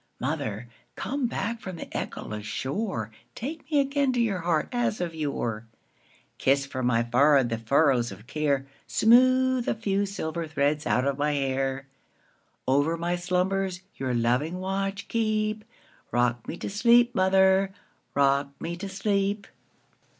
Mother, come back from the echoless shore, Take me again to your heart as of yore; Kiss from my forehead the furrows of care, Smooth the few silver threads out of my hair; Over my slumbers your loving watch keep;—Rock me to sleep, mother,—rock me to sleep!